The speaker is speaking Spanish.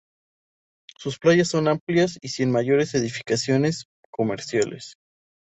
Sus playas son amplias y sin mayores edificaciones comerciales.